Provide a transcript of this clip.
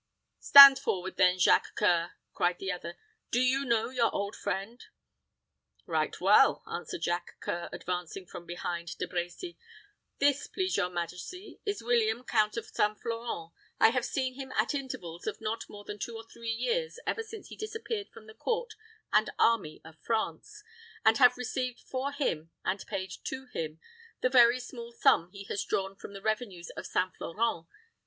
"Stand forward, then, Jacques C[oe]ur," cried the other. "Do you know your old friend?" "Right well," answered Jacques C[oe]ur, advancing from behind De Brecy. "This, please your majesty, is William, count of St. Florent. I have seen him at intervals of not more than two or three years ever since he disappeared from the court and army of France, and have received for him, and paid to him, the very small sum he has drawn from the revenues of St. Florent.